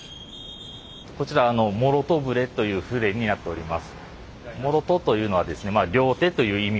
こちら「諸手船」という船になっております。